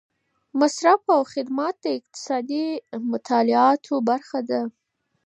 مصرف او خدمات د اقتصادي مطالعاتو برخه ده.